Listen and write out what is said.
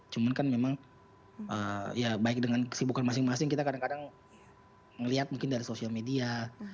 cuman kan memang ya baik dengan kesibukan masing masing kita kadang kadang melihat mungkin dari sosial media